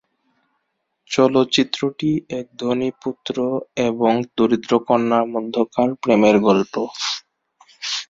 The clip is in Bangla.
চলচ্চিত্রটি এক ধনী পুত্র এবং দরিদ্র কন্যার মধ্যকার প্রেমের গল্প।